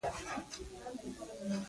د غوراوي سیستم په روښانو معیارونو بنا وي.